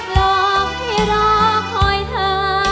หลอกให้รอคอยเธอ